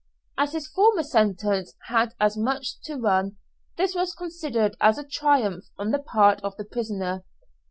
As his former sentence had as much to run, this was considered as a triumph on the part of the prisoner.